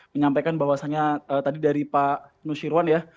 menyampaikan bahwasannya tadi dari pak nusirwan ya